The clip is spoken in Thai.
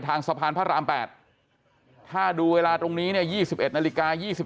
ทางสะพานพระรามแปดถ้าดูเวลาตรงนี้ยี่สิบเอ็ดนาฬิกายี่สิบ